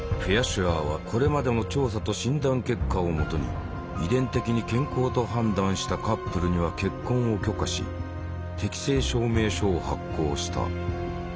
シュアーはこれまでの調査と診断結果を基に遺伝的に健康と判断したカップルには結婚を許可し適性証明書を発行した。